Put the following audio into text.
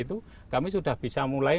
itu kami sudah bisa mulai